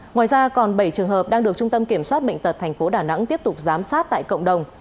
ngoài ra còn bảy trường hợp đang được trung tâm kiểm soát bệnh tật tp đà nẵng tiếp tục giám sát tại cộng đồng